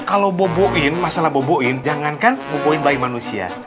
kalau boboin masalah boboin jangankan boboin bayi manusia